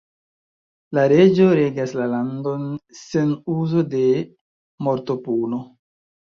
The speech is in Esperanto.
La reĝo regas la landon sen uzo de mortopuno.